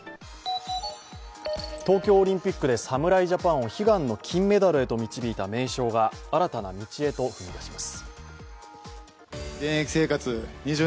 東京オリンピックで侍ジャパンを悲願の金メダルへと導いた名将が新たな道へと踏み出します。